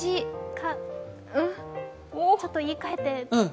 ちょっと言い換えて。